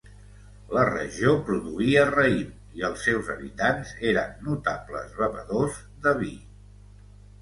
La regió produïa raïm i els seus habitants eren notables bevedors de vi.